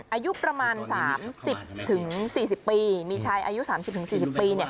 อายุประมาณ๓๐๔๐ปีมีชายอายุ๓๐๔๐ปี